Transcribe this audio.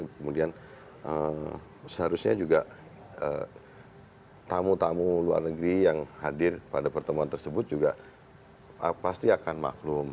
kemudian seharusnya juga tamu tamu luar negeri yang hadir pada pertemuan tersebut juga pasti akan maklum